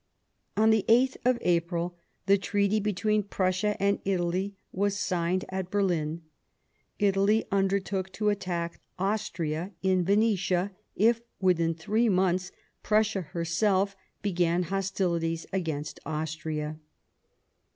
On the 8th of April the treaty between Prussia and Italy was signed at Berlin ; Italy undertook to attack Austria in Venetia, if, within three months, Prussia herself began hostilities against Austria.